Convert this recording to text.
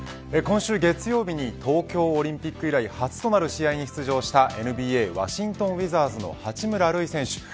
今週月曜日に東京オリンピック以来初となる試合に出場したＮＢＡワシントンウィザーズの八村塁選手